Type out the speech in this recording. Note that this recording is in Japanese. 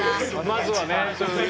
まずはね。